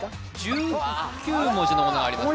１９文字のものがありますね